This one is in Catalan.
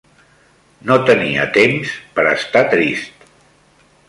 No tenia temps per estar trist